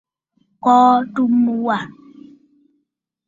Kɔɔ atu mu wâ.